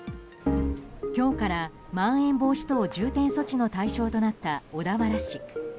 今日からまん延防止等重点措置の対象となった小田原市。